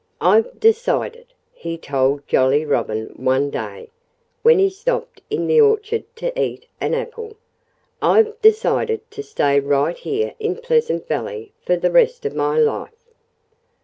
"I've decided" he told Jolly Robin one day, when he stopped in the orchard to eat an apple "I've decided to stay right here in Pleasant Valley for the rest of my life."